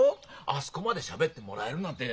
あそこまでしゃべってもらえるなんて。